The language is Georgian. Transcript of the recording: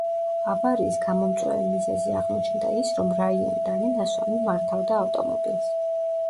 ავარიის გამომწვევი მიზეზი აღმოჩნდა ის, რომ რაიან დანი ნასვამი მართავდა ავტომობილს.